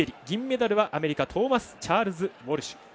銀メダルはアメリカトーマスチャールズ・ウォルシュ。